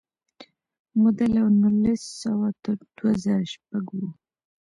موده له نولس سوه تر دوه زره شپږ وه.